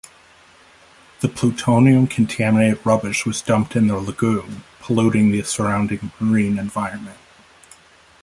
The plutonium-contaminated rubbish was dumped in the lagoon, polluting the surrounding marine environment.